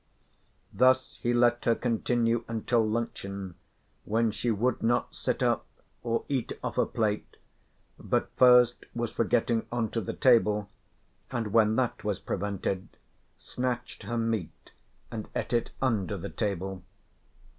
Thus he let her continue until luncheon, when she would not sit up, or eat off a plate, but first was for getting on to the table, and when that was prevented, snatched her meat and ate it under the table.